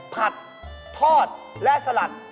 ผัดทอดและสลัด